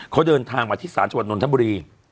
เขาเดินทางมาที่ศานจระวัณฑ์นลทัพบุรี